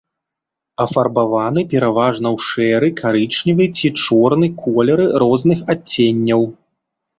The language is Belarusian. Афарбаваны пераважна ў шэры, карычневы ці чорны колеры розных адценняў.